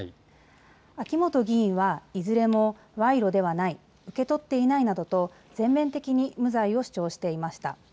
秋元議員はいずれも賄賂ではない、受け取っていないなどと全面的に無罪を主張していました。